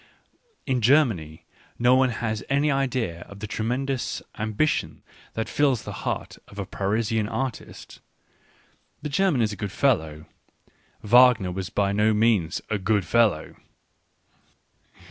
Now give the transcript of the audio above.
In Germany no one has any idea of the tremendous am bition that fills the heart of a Parisian artist. The German is a good fellow. Wagner was by no means a good fellow.